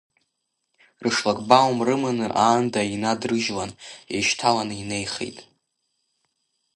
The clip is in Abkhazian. Рышлагбаум рыманы, аанда инадрыжьлан, еишьҭаланы инеихеит.